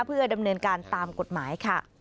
เพื่อดำเนินการตามกฎหมายค่ะ